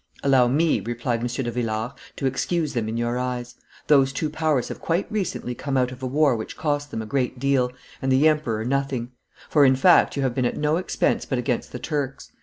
"Allow me," replied M. de Villars, "to excuse them in your eyes; those two powers have quite recently come out of a war which cost them a great deal, and the emperor nothing; for, in fact, you have been at no expense but against the Turks.